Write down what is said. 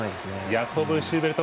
ヤコブ・シューベルト